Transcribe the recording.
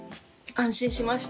安心しました。